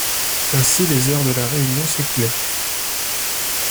Ainsi les heures de la réunion s'écoulaient.